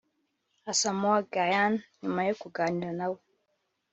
Asamoah Gyan nyuma yo kuganira nawe